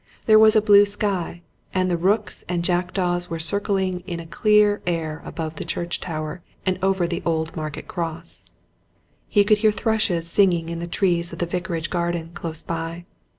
There was a blue sky, and the rooks and jackdaws were circling in a clear air about the church tower and over the old Market Cross. He could hear thrushes singing in the trees in the Vicarage garden, close by.